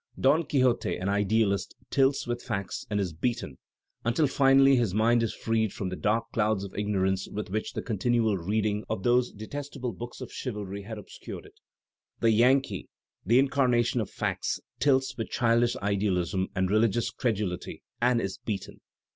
Don Quixote, an idealist, tilts with facts and is beaten, until finally his mind is "freed from the dark clouds of ignorance with which the continual reading of those detestable books of chivalry had obscured it." The Yankee, the incarnation of facts, tilts with childish idealism and religious credulity and is beaten!